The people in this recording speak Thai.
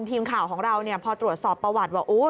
ทีมข่าวของเราเนี่ยพอตรวจสอบประวัติว่า